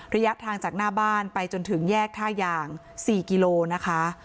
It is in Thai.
ระยะทางจากหน้าบ้านไปจนถึงแยกท่ายาง๔กิโลนะคะ